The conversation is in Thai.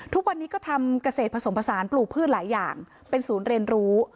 ทุกวันนี้ก็ทำเกษตรผสมผสานปลูกพืชหลายอย่างเป็นศูนย์เรียนรู้